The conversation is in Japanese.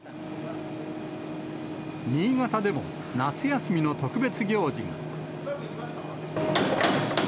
新潟でも、夏休みの特別行事が。